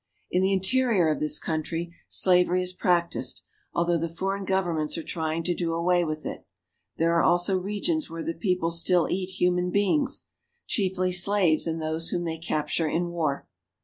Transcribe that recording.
In the interior of this country slavery is practiced, although the foreign governments are trying to do away with it. There are also regions where the people still eat human beings, chiefly slaves and those whom they capture in war.